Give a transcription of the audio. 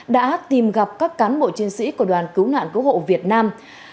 đã tìm gặp các cán bộ chiến sĩ của đoàn cứu nạn cứu hộ việt nam